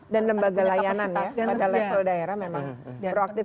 dan lembaga layanan ya pada level daerah memang proaktif